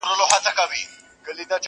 o د اخيرت سختي خوارۍ دي٫